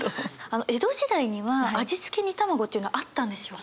江戸時代には味付け煮卵というのはあったんでしょうか？